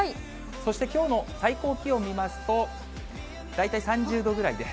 そして、きょうの最高気温見ますと、大体３０度ぐらいで。